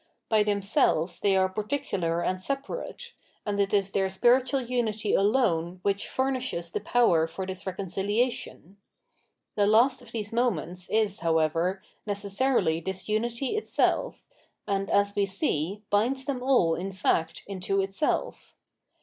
By themselves they are particular and separate ; and it is their spicitual unity alone which furnishes the power for this reconcihation. The last of these moments is, however, necessarily this unity itself, and, as we see, 805 Ahsolvte Knowledge binds them all in fact into itself.